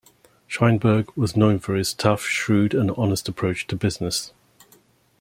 Sheinberg was known for his tough, shrewd and honest approach to business.